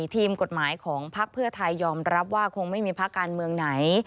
ทีมกฎหมายของภักดิ์เพื่อไทยยอมรับว่าคงไม่มีพักการเมืองไหน